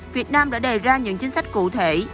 việt nam đã đề ra những chính sách cụ thể